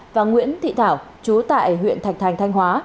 và nguyễn thị thảo chú tại huyện thạch thành thanh hóa